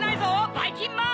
ばいきんまん！